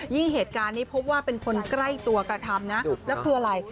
เหตุการณ์นี้พบว่าเป็นคนใกล้ตัวกระทำนะแล้วคืออะไร